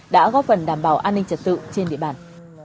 đã góp phần đảm bảo an ninh trật tự trên địa bàn